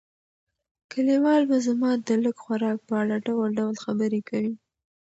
کلیوال به زما د لږ خوراک په اړه ډول ډول خبرې کوي.